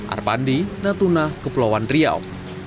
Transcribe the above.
arpandi natuna kepulauan riau